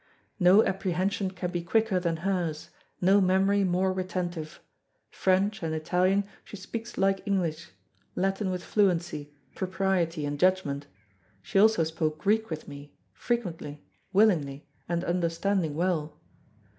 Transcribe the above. "No apprehension can be quicker than hers, no memory more retentive. French and Italian she speaks like English; Latin with fluency, propriety and judgment; she also spoke Greek with me, frequently, willingly, and understanding well.